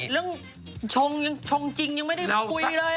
เรื่องชงจริงยังไม่ได้คุยเลยอะ